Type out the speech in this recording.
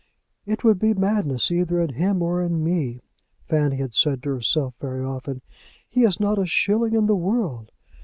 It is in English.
"It would be madness either in him or in me," Fanny had said to herself very often; "he has not a shilling in the world."